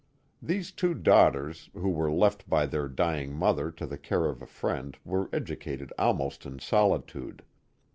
These two daughters, who were left by their dying mother to the care of a friend, were educated almost in solitude.